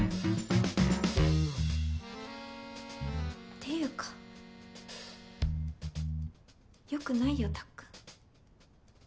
ていうか良くないよたっくん。